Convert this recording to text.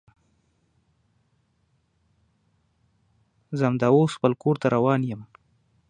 زه همدا اوس خپل کور ته روان یم